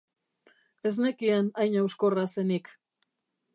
Ez nekien hain hauskorra zenik.